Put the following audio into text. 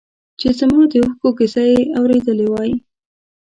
چې زما د اوښکو کیسه یې اورېدی وای.